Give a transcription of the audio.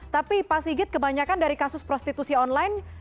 tapi pak sigit kebanyakan dari kasus prostitusi online